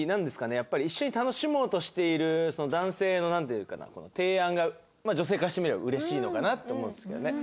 やっぱり一緒に楽しもうとしている男性のなんていうかな提案が女性からしてみれば嬉しいのかなと思うんですけどね。